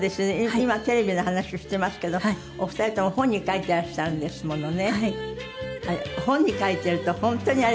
今テレビの話していますけどお二人とも本に書いていらっしゃるんですものね。